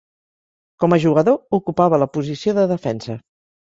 Com a jugador, ocupava la posició de defensa.